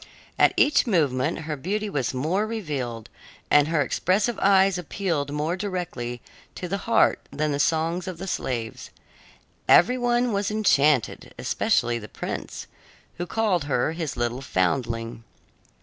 At each moment her beauty was more revealed, and her expressive eyes appealed more directly to the heart than the songs of the slaves. Every one was enchanted, especially the prince, who called her his little foundling.